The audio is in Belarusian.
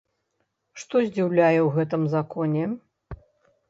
Што здзіўляе ў гэтым законе?